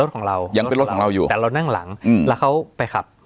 ของเรายังเป็นรถของเราอยู่แต่เรานั่งหลังอืมแล้วเขาไปขับ